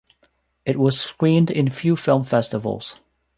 It was screened in few film festivals.